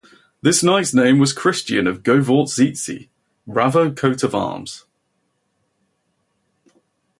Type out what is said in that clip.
This knight's name was Christian of Goworzici, Rawa coat of arms.